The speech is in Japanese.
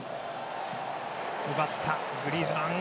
奪った、グリーズマン。